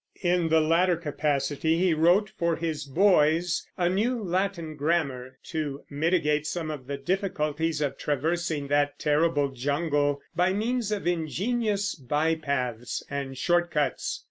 In the latter capacity he wrote for his boys a new Latin grammar, to mitigate some of the difficulties of traversing that terrible jungle by means of ingenious bypaths and short cuts.